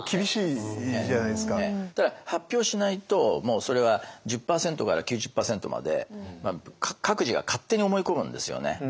ただ発表しないともうそれは１０％から９０％まで各自が勝手に思い込むんですよね。